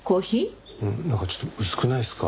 なんかちょっと薄くないですか？